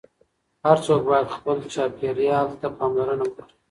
هر څوک باید خپل چاپیریال ته پاملرنه وکړي.